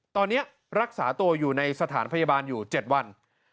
ตอนนี้รักษาตัวอยู่ในสถานพยาบาลอยู่๗วัน